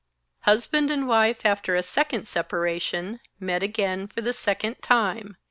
Husband and wife, after a second separation, met again for the second time!